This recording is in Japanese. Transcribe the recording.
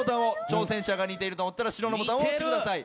挑戦者が似てると思ったら白のボタンを押してください。